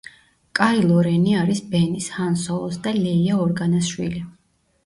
კაილო რენი არის ბენის, ჰან სოლოს და ლეია ორგანას შვილი.